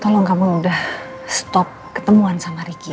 tolong kamu udah stop ketemuan sama ricky